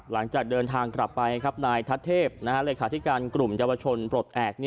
หลังจากเดินทางกลับไปครับนายทัศเทพเลขาธิการกลุ่มเยาวชนปลดแอบ